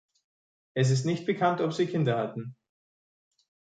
Es ist nicht bekannt, ob sie Kinder hatten.